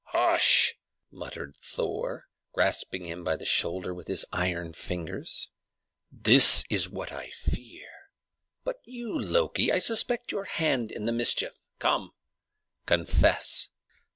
"Hush!" muttered Thor, grasping him by the shoulder with his iron fingers. "That is what I fear. But look you, Loki: I suspect your hand in the mischief. Come, confess."